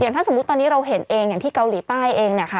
ถ้าสมมุติตอนนี้เราเห็นเองอย่างที่เกาหลีใต้เองเนี่ยค่ะ